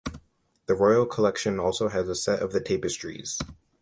The Royal Collection also has a set of the tapestries.